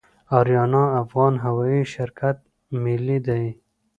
اریانا افغان هوایی شرکت ملي دی